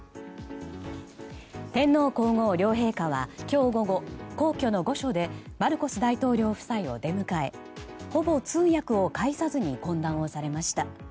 天皇・皇后両陛下は今日午後、皇居の御所でマルコス大統領夫妻を出迎えほぼ通訳を介さずに懇談をされました。